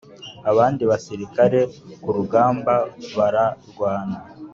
abandi basirikare ku rugamba bara rwana